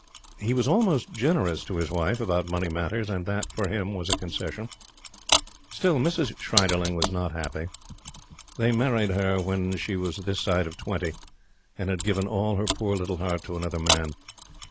He was almost generous to his wife about money matters, and that, for him, was a concession. Still Mrs. Schreiderling was not happy. They married her when she was this side of twenty and had given all her poor little heart to another man.